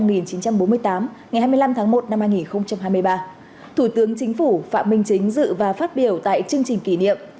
một năm hai nghìn hai mươi ba thủ tướng chính phủ phạm minh chính dự và phát biểu tại chương trình kỷ niệm